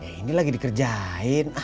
ini lagi dikerjain